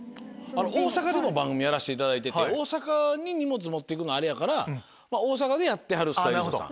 大阪で番組やらせていただいて荷物持って行くのあれやから大阪でやってはるスタイリストさん。